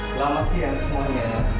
selamat siang semuanya